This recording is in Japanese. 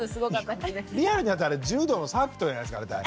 リアルに柔道のサーキットじゃないですか。